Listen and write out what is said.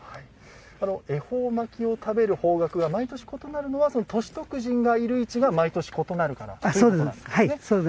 恵方巻きを食べる方角が毎年、異なるのはその歳徳神がいる位置が毎年異なるということなんですね。